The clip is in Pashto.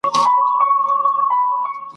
د چا غوڅیږي پښې او لاسونه !.